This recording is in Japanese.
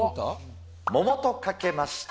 桃とかけまして、